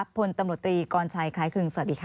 พลตำรวจตรีกรชัยคล้ายครึ่งสวัสดีค่ะ